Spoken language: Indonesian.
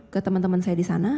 ke teman teman saya di sana